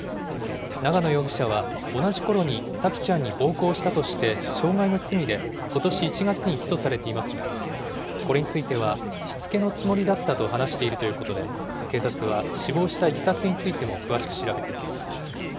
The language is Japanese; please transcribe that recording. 長野容疑者は、同じころに沙季ちゃんに暴行したとして、傷害の罪でことし１月に起訴されていますが、これについては、しつけのつもりだったと話しているということで、警察は死亡したいきさつについても、詳しく調べています。